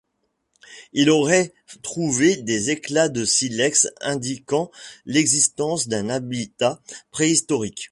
Il aurait trouvé des éclats de silex indiquant l'existence d'un habitat préhistorique.